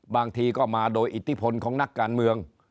บางทีก็มาโดยอิทธิพลของนักการเมือง